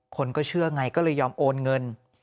คนก็เชื่อไงก็เลยยอมโอนเงิน